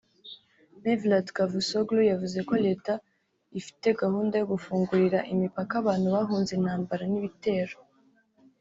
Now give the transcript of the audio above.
Mevlut Cavusoglu yavuze ko Leta ifite gahunda yo gufungurira imipaka abantu bahunze intambara n’ibitero